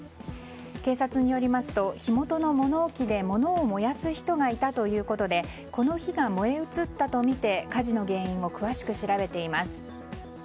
警察によりますと、火元の物置で物を燃やす人がいたということでこの火が燃え移ったということで火事の原因を詳しく調べています。